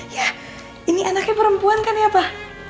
yah ini anaknya perempuan kan ya pak